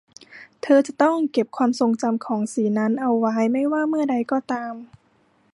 เธอจะต้องเก็บความทรงจำของสีนั้นเอาไว้ไม่ว่าเมื่อใดก็ตาม